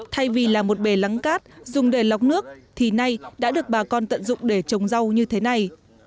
thay vì là một bề lắng cát dùng để lọc nước thì nay đã được bà con tận dụng để trồng rau như thế này